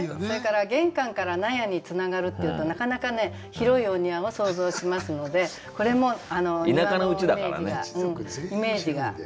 それから「玄関から納屋につながる」っていうとなかなかね広いお庭を想像しますのでこれも庭のイメージが。